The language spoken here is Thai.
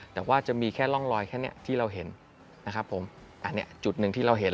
แต่ว่าจะมีแค่ร่องรอยแค่นี้ที่เราเห็น